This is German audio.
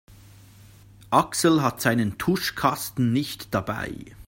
Axel hat seinen Tuschkasten nicht dabei.